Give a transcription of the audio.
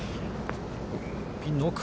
ピンの奥。